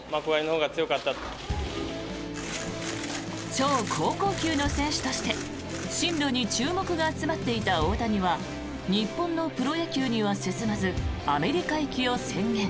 超高校級の選手として進路に注目が集まっていた大谷は日本のプロ野球には進まずアメリカ行きを宣言。